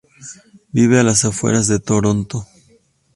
Vive a las afueras de Toronto.